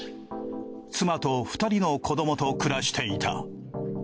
妻と２人の子どもと暮らしていた。